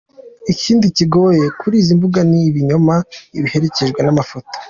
Ikindi kigoye kuri izi mbuga ni ibinyoma biherekejwe n’amafoto.